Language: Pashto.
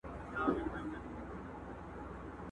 فرنګ به تر اورنګه پوري پل په وینو یوسي؛